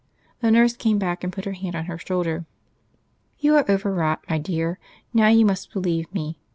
The nurse came back, and put her hand on her shoulder. "You are overwrought, my dear.... Now you must believe me.